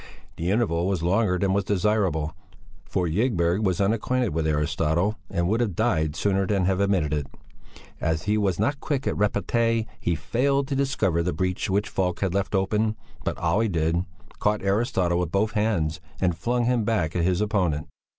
The interval was longer than was desirable, for Ygberg was unacquainted with Aristotle and would have died sooner than have admitted it. As he was not quick at repartee, he failed to discover the breach which Falk had left open; but Olle did, caught Aristotle with both hands and flung him back at his opponent.